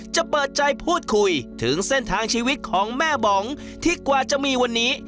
เปิดใจพูดคุยถึงเส้นทางชีวิตของแม่บองที่กว่าจะมีวันนี้